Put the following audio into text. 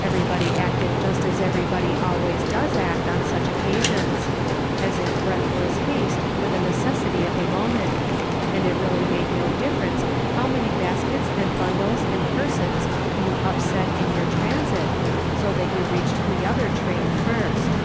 Everybody acted just as every body always does act on such occasions ; as if breathless haste were the necessity of the moment, and it really made no difference how many baskets and bundles and persons you upset in your transit, 60 that you reached the other train first.